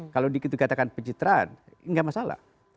kalau dikitu dikatakan pencitraan tidak masalah